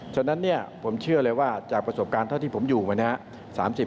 ฉะนั้นเนี่ยผมเชื่อเลยว่าจากประสบการณ์เท่าที่ผมอยู่มานะครับ